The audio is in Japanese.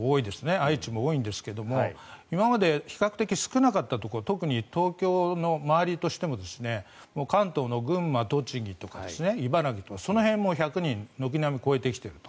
愛知も多いんですけども今まで比較的、少なかったところ特に東京の周りとしても関東の群馬、栃木、茨城とかその辺も１００人を軒並み超えてきていると。